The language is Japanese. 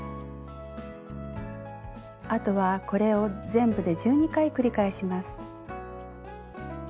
あとはこれを全部で１２回繰り返します。